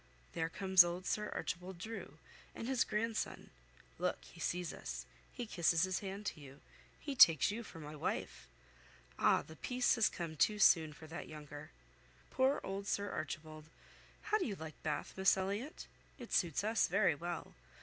There comes old Sir Archibald Drew and his grandson. Look, he sees us; he kisses his hand to you; he takes you for my wife. Ah! the peace has come too soon for that younker. Poor old Sir Archibald! How do you like Bath, Miss Elliot? It suits us very well.